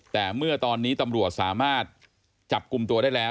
แต่เมื่อตอนนี้ตำรวจสามารถจับกลุ่มตัวได้แล้ว